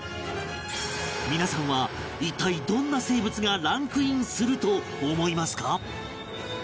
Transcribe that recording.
皆さんは一体どんな生物がランクインすると思いますか？